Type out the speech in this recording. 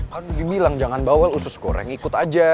kan udah dibilang jangan bawel usus goreng ikut aja